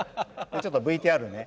ちょっとＶＴＲね」。